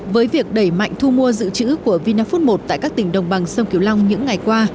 với việc đẩy mạnh thu mua dự trữ của vinafood một tại các tỉnh đồng bằng sông kiều long những ngày qua